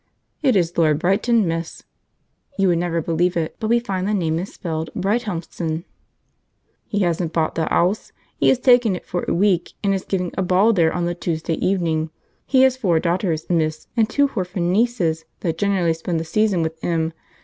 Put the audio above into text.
"It is Lord Brighton, miss." (You would never believe it, but we find the name is spelled Brighthelmston.) "He hasn't bought the 'ouse; he has taken it for a week, and is giving a ball there on the Tuesday evening. He has four daughters, miss, and two h'orphan nieces that generally spends the season with 'im.